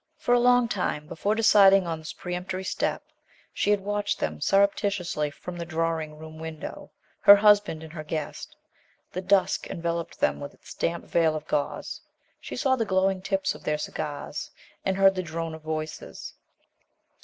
For a long time, before deciding on this peremptory step, she had watched them surreptitiously from the drawing room window her husband and her guest. The dusk enveloped them with its damp veil of gauze. She saw the glowing tips of their cigars, and heard the drone of voices.